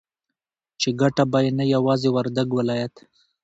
چې گټه به يې نه يوازې وردگ ولايت